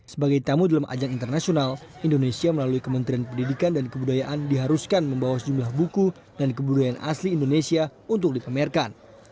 sebagai tamu dalam ajang internasional indonesia melalui kementerian pendidikan dan kebudayaan diharuskan membawa sejumlah buku dan kebudayaan asli indonesia untuk dipamerkan